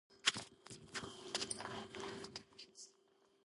პარენქიმულ ქსოვილში ეთერზეთოვანი ჯირკვლები აქვთ.